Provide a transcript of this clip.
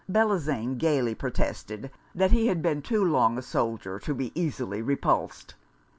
Bellozane gaily protested that he had been too long a soldier to be easily repulsed.